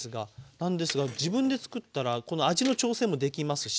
なんですが自分でつくったらこの味の調整もできますし。